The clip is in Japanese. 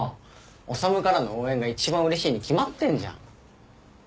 修からの応援が一番うれしいに決まってんじゃん。